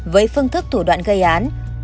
với phương thức thủ đoạn gây án